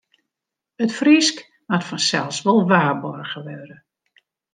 It Frysk moat fansels wol waarboarge wurde.